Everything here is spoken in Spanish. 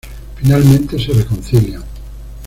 Finalmente se reconcilian.